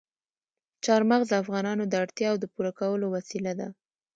چار مغز د افغانانو د اړتیاوو د پوره کولو وسیله ده.